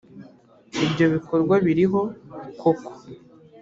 ibyo bikorwa biriho koko